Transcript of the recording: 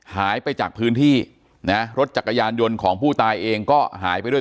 หายไปจากพื้นที่นะรถจักรยานยนต์ของผู้ตายเองก็หายไปด้วย